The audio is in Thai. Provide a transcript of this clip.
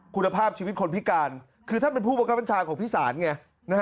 คุณภาพชีวิตคนพิการคือถ้าเป็นผู้บังกันชาญของพี่สานเนี่ย